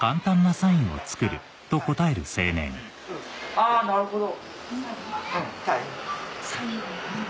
あなるほど。